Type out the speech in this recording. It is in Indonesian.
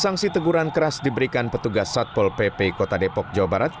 sangsi teguran keras diberikan petugas satpol pp kota depok jawa barat